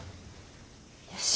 よし。